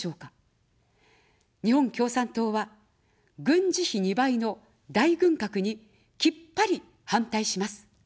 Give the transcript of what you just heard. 日本共産党は、軍事費２倍の大軍拡にきっぱり反対します。